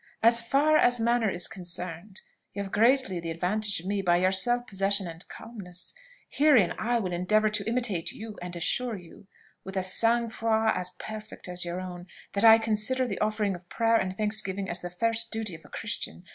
As far as manner is concerned, you have greatly the advantage of me by your self possession and calmness. Herein I will endeavour to imitate you, and assure you, with a sang froid as perfect as your own, that I consider the offering of prayer and thanksgiving as the first duty of a Christian.